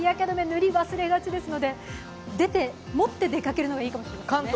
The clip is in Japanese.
塗り忘れがちですので持って出かけるのがいいかもしれませんね。